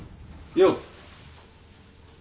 よう。